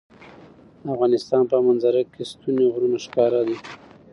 د افغانستان په منظره کې ستوني غرونه ښکاره ده.